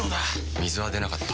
水は出なかった。